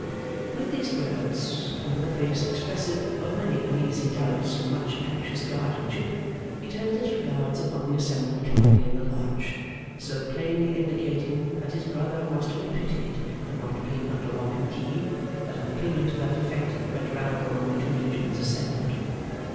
With these words, and with a face expressive of many uneasy doubts and much anxious guardianship, he turned his regards upon the assembled company in the Lodge: so plainly indicating that his brother was to be pitied for not being under lock and key, that an opinion to that effect went round among the Collegians assembled.